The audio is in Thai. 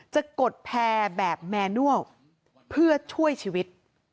กดแพร่แบบแมนัลเพื่อช่วยชีวิต